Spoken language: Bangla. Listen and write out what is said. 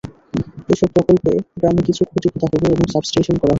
এসব প্রকল্পে গ্রামে কিছু খুঁটি পোঁতা হবে এবং সাবস্টেশন করা হবে।